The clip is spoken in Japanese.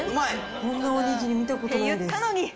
こんなおにぎり見たことないです。